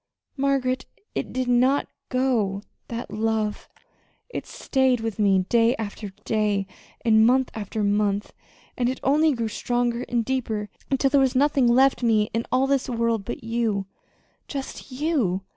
"Margaret, it did not go that love. It stayed with me day after day, and month after month, and it only grew stronger and deeper until there was nothing left me in all this world but you just you.